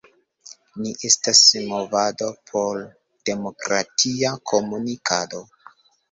Ni estas movado por demokratia komunikado.